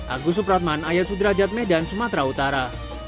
agus supratman ayat sudrajat medan sumatera utara